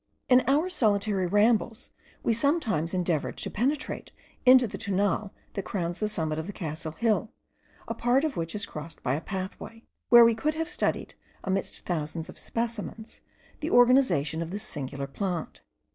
In our solitary rambles we sometimes endeavoured to penetrate into the Tunal that crowns the summit of the castle hill, a part of which is crossed by a pathway, where we could have studied, amidst thousands of specimens, the organization of this singular plant.